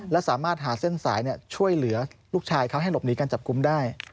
และสามารถหาเส้นสายช่วยเหลือลูกชายเขาให้หลบหนีการจับกลุ่มได้